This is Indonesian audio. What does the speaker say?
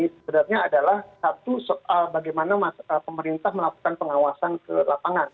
sebenarnya adalah satu soal bagaimana pemerintah melakukan pengawasan ke lapangan